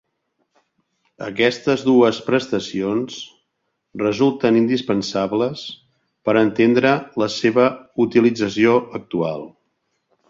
Aquestes dues prestacions resulten indispensables per entendre la seva utilització actual.